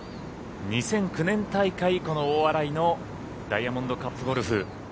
２００９年大会以来のこの大洗のダイヤモンドカップゴルフ。